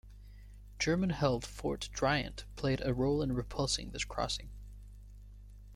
German-held Fort Driant played a role in repulsing this crossing.